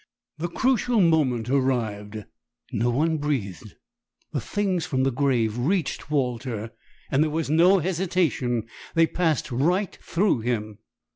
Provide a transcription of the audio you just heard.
The crucial moment arrived no one breathed the Things from the Grave reached Walter there was no hesitation they passed RIGHT THROUGH him.